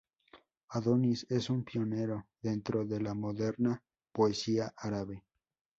Adonis es un pionero dentro de la moderna poesía árabe.